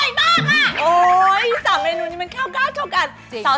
โอ๊ยสามเมนูนี้มันเข้ากล้าวเข้ากัน